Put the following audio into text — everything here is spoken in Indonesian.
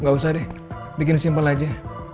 gak usah deh bikin simpel aja